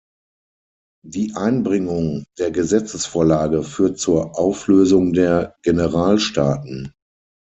Die Einbringung der Gesetzesvorlage führt zur Auflösung der Generalstaaten.